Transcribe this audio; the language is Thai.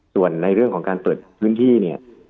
ส่วนในเรื่องของการเปิดพื้นที่เนี่ย